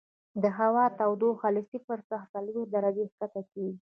د هوا تودوخه له صفر څخه څلوېښت درجې ښکته کیږي